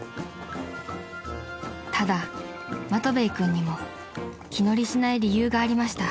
［ただマトヴェイ君にも気乗りしない理由がありました］